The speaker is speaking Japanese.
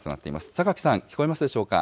さかきさん、聞こえますでしょうか。